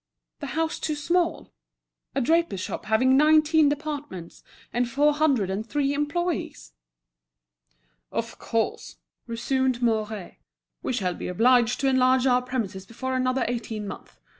The house too small! a draper's shop having nineteen departments, and four hundred and three employees! "Of course," resumed Mouret, "we shall be obliged to enlarge our premises before another eighteen months.